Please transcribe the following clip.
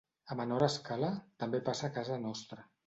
A menor escala, també passa a casa nostra.